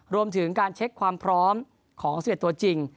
รวมถึงการเช็คความพร้อมของ๑๑ตัวจริง